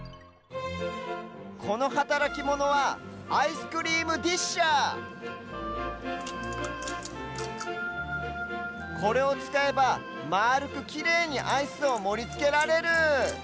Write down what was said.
このはたらきモノはアイスクリームディッシャーこれをつかえばまあるくきれいにアイスをもりつけられる。